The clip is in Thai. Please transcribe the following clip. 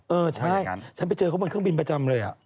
เออใช่ฉันไปเจอเขาบนเครื่องบินประจำเลย